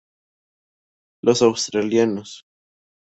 Los australianos.